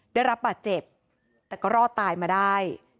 ได้รับบาดเจ็บแต่ก็รอดตายมาได้